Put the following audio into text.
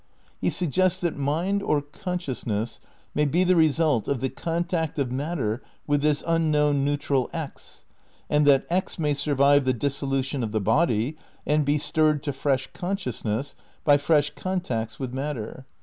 He sug gests that mind, or consciousness, may be the result of the contact of matter with this unknown neutral X and that X may survive the dissolution of the body and be stirred to fresh consciousness by fresh contacts with matter.